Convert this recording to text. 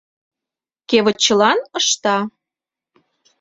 Кевытчылан ышта.